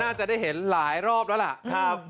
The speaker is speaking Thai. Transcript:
น่าจะได้เห็นหลายรอบแล้วล่ะ